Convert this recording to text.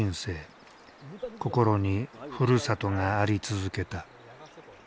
心にふるさとがあり続けた。